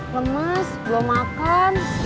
lemes belum makan